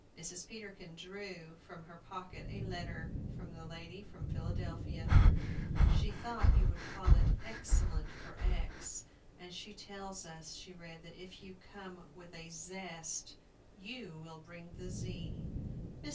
Mrs. Peterkin drew from her pocket a letter from the lady from Philadelphia. "She thought you would call it X cellent for X, and she tells us," she read, "that if you come with a zest, you will bring the Z." Mr.